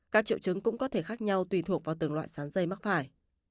các triệu chứng cũng có thể khác nhau tùy thuộc vào từng loại sán dây mắc phải